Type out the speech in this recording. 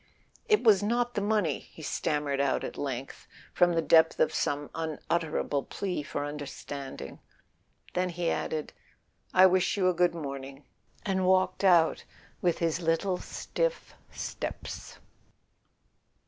"It was not the money ..." he stammered out at length, from the depth of some unutterable plea for understanding; then he added: "I wish you a good morning," and walked out with his little stiff steps.